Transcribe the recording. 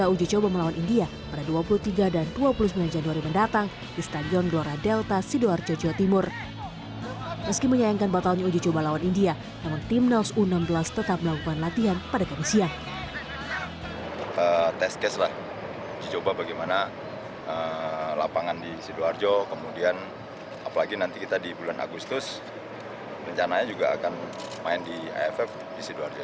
uji coba bagaimana lapangan di sidoarjo kemudian apalagi nanti kita di bulan agustus rencananya juga akan main di aff di sidoarjo